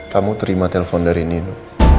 kamu terima telepon dari ninu